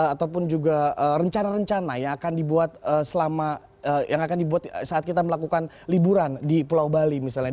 ataupun juga rencana rencana yang akan dibuat saat kita melakukan liburan di pulau bali misalnya